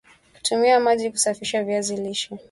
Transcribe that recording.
Tumia maji kusafisha viazi lishe